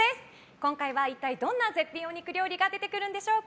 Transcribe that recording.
今回は一体どんな絶品お肉料理が出てくるんでしょうか。